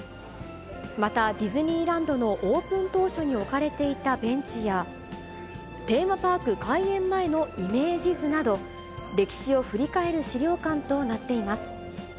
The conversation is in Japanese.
また、ディズニーランドのオープン当初に置かれていたベンチや、テーマパーク開園前のイメージ図など、歴史を振り返る資料館となっています。